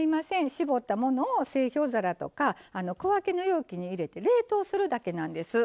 搾ったものを製氷皿とか小分けの容器に入れて冷凍するだけなんです。